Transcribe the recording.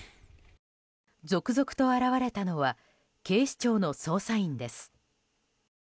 続々と現れたのは警視庁の捜査員です。